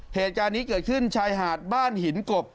เหตุการณ์นี้เกิดขึ้นชายหาดบ้านหินกบ